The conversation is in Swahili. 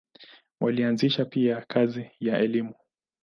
Walianzisha pia kazi ya elimu.